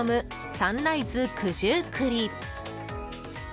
サンライズ九十九里。